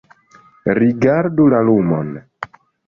Rigardu la lumon